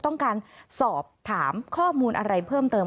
ต้องการสอบถามข้อมูลอะไรเพิ่มเติม